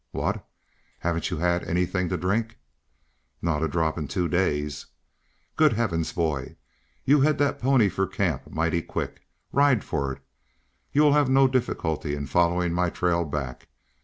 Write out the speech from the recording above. "What? Haven't you had anything to drink?" "Not a drop in two days." "Great heavens, boy! You head that pony for camp mighty quick. Ride for it! You will have no difficulty in following my trail back.